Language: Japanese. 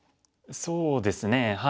そうですね。